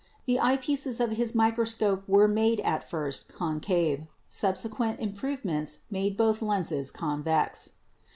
The eyepieces of his microscope were made at first concave; subsequent improvements made both lenses convex.